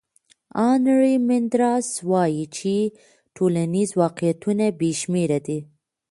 هانري مندراس وایي چې ټولنیز واقعیتونه بې شمېره دي.